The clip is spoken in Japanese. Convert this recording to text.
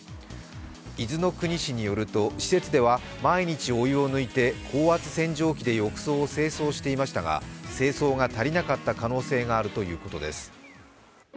伊豆の国市によると、施設では毎日お湯を抜いて、高圧洗浄機で浴槽を清掃していましたが清掃が足りなかった可能性があるということです。